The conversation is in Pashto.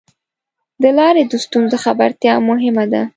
د لارې د ستونزو خبرتیا مهمه ده.